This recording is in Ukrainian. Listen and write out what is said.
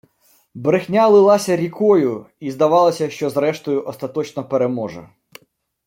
Брехня лилася рікою, й здавалося, що, зрештою, остаточно переможе